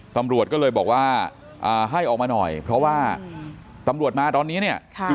ตำรวจก็เลยบอกว่าให้ออกมาหน่อยเพราะว่าตำรวจมาตอนนี้เนี่ย